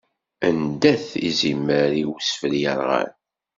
anda-t izimer i wesfel yerɣan?